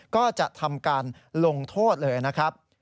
ก็จะทำการลงโทษเลยนะครับ